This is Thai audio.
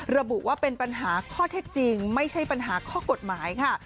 ระบุว่าเป็นปัญหาข้อเท็จจริงไม่ใช่ปัญหาข้อกฎหมายค่ะ